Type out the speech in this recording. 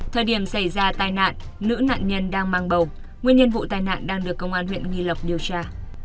thời điểm xảy ra tai nạn nữ nạn nhân đang mang bầu nguyên nhân vụ tai nạn đang được công an huyện nghi lộc điều tra